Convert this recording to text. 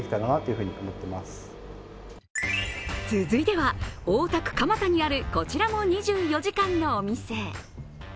続いては大田区蒲田にある、こちらも２４時間のお店。